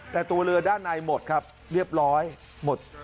แต่ตัวเรือด้านในหมดครับเรียบร้อยหมด